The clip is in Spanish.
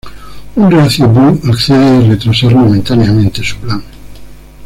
Un reacio Blue accede a retrasar momentáneamente su plan.